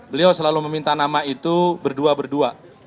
beliau selalu meminta nama itu berdua berdua